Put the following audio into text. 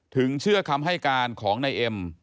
เชื่อคำให้การของนายเอ็ม